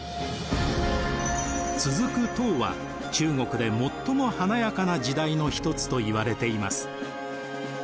続く唐は中国で最も華やかな時代の一つといわれています。